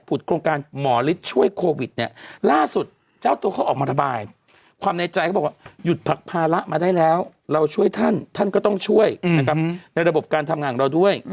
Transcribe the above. ผู้ข้องการหมอฤทธิ์ช่วยโควิดเนี่ย